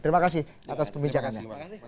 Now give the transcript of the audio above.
terima kasih atas perbincangannya